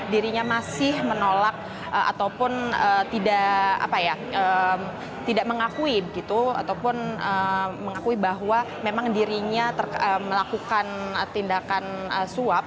dirinya masih menolak ataupun tidak mengakui ataupun mengakui bahwa memang dirinya melakukan tindakan suap